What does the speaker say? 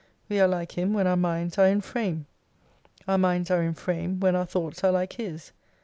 "We are like Him when our minds are in frame. Our minds are in frame when our thoughts are like His.